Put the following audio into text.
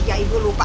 ya ibu lupa